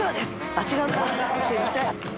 すいません。